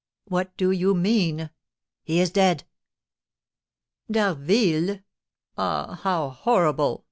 "What do you mean?" "He is dead!" "D'Harville! Ah, how horrible!"